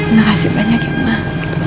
makasih banyak ya mak